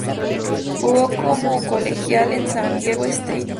Jugó como colegial en San Diego State.